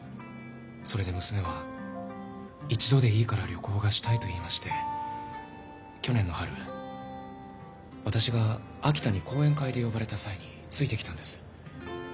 それで娘は一度でいいから旅行がしたいと言いまして去年の春私が秋田に講演会で呼ばれた際についてきたんです。